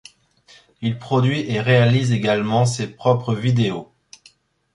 Il produit et réalise également ses propres vidéos.